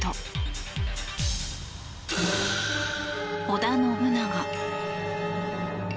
織田信長。